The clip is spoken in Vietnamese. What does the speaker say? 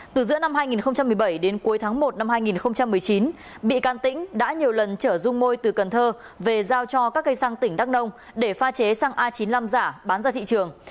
từ giữa năm hai nghìn một mươi bảy đến cuối tháng một năm hai nghìn một mươi chín bị can tĩnh đã nhiều lần chở dung môi từ cần thơ về giao cho các cây xăng tỉnh đắk nông để pha chế xăng a chín mươi năm giả bán ra thị trường